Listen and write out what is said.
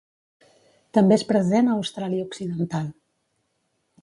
També és present a Austràlia Occidental.